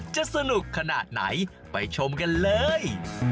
จะสนุกขนาดไหนไปชมกันเลย